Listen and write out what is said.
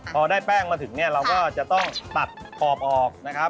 พอได้แป้งมาถึงเนี่ยเราก็จะต้องตัดขอบออกนะครับ